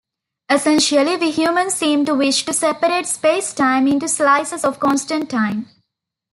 Essentially, we humans seem to wish to separate spacetime into slices of constant time.